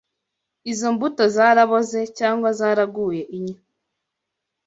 izo mbuto zaraboze cyangwa zaraguye inyo